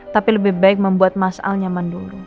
tapi lebih baik membuat mas'al nyaman dulu